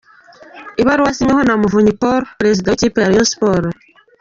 Ibaruwa yasinyweho na Muvunyi Paul perezida w’ikipe ya Rayon Sports.